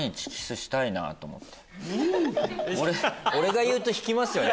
俺が言うと引きますよね。